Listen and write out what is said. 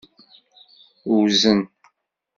Wzen.